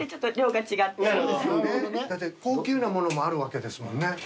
高級なものもあるわけですもんね。